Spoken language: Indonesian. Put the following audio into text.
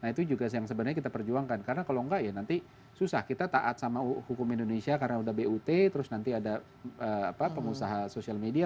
nah itu juga yang sebenarnya kita perjuangkan karena kalau enggak ya nanti susah kita taat sama hukum indonesia karena udah but terus nanti ada pengusaha sosial media